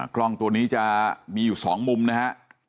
กล้องตัวนี้จะมีอยู่๒มุมนะฮะ